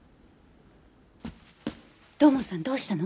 土門さんどうしたの？